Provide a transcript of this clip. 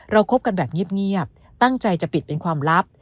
คบกันแบบเงียบตั้งใจจะปิดเป็นความลับ